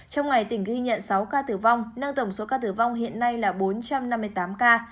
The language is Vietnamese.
trong ngày tỉnh ghi nhận sáu ca tử vong nâng tổng số ca tử vong hiện nay là bốn trăm năm mươi tám ca